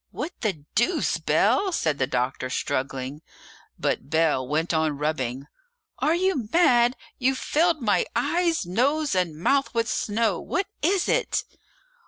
"What the deuce, Bell?" said the doctor, struggling. But Bell went on rubbing. "Are you mad? You've filled my eyes, nose, and mouth with snow. What is it?"